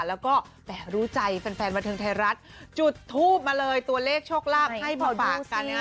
แล้วก็แต่รู้ใจแฟนบันเทิงไทยรัฐจุดทูปมาเลยตัวเลขโชคลาภให้มาฝากกันนะฮะ